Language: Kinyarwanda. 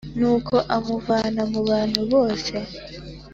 Nuko amuvana mu bantu bose